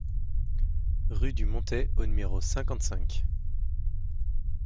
Rue du Montais au numéro cinquante-cinq